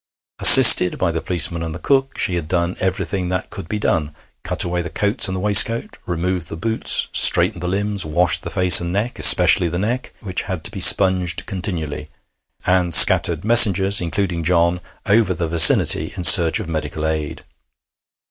Assisted by the policemen and the cook, she had done everything that could be done: cut away the coats and the waistcoat, removed the boots, straightened the limbs, washed the face and neck especially the neck which had to be sponged continually, and scattered messengers, including John, over the vicinity in search of medical aid.